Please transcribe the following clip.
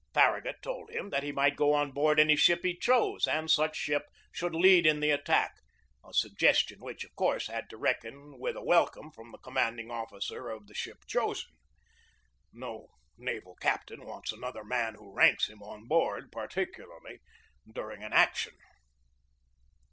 Farragut told him that he might go on board any ship he chose and such ship should lead in the attack, a suggestion which, of course, had to reckon with a welcome from the com manding officer of the ship chosen. No naval cap tain wants another man who ranks him on board, particularly during an action.